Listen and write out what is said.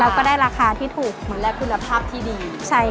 ก็ได้ราคาที่ถูกเหมือนและคุณภาพที่ดี